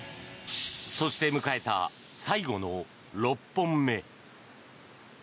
そして迎えた最後の６本目。